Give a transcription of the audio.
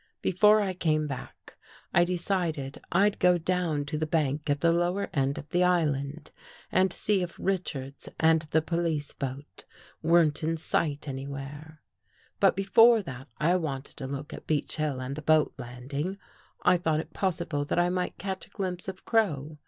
Before I came back I decided I'd go down to the bank at the lower end of the island and see if Richards and the police boat weren't in sight any ^ where. But before that, I wanted a look at Beech Hill and the boat landing. I thought it possible that I might catch a glimpse of Crow.